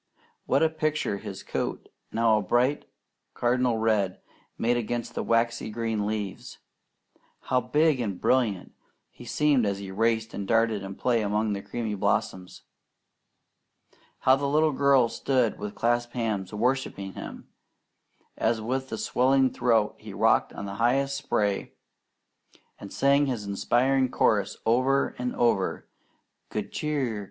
What a picture his coat, now a bright cardinal red, made against the waxy green leaves! How big and brilliant he seemed as he raced and darted in play among the creamy blossoms! How the little girl stood with clasped hands worshipping him, as with swelling throat he rocked on the highest spray and sang his inspiring chorus over and over: "Good Cheer!